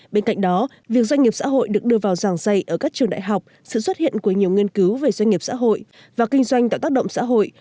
bên cạnh đó việc doanh nghiệp xã hội được đưa vào giảng dạy ở các trường đại học sự xuất hiện của nhiều nghiên cứu về doanh nghiệp xã hội và kinh doanh tạo tác động xã hội